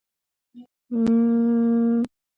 ჯეკი და მისი მამა იყვნენ ქირურგები.